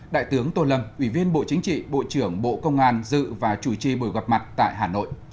đại tướng tô lâm ủy viên bộ chính trị bộ trưởng bộ công an dự và chủ trì buổi gặp mặt tại hà nội